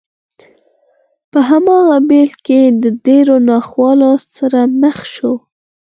په هماغه پيل کې له ډېرو ناخوالو سره مخ شو.